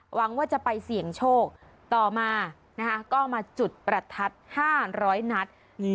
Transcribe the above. หวังว่าจะไปเสี่ยงโชคต่อมานะคะก็มาจุดประทัด๕๐๐นัด